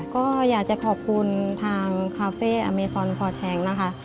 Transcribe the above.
ก็อยากจะขอบคุณทางคาเฟ่อเมซอนพอแชงนะคะ